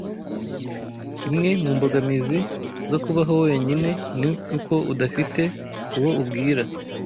Imwe mu mbogamizi zo kubaho wenyine ni uko udafite uwo ubwira.